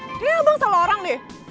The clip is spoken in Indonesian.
ini abang sama orang nih